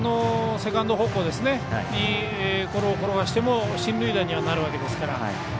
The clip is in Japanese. セカンド方向にゴロを転がしても進塁打にはなるわけですから。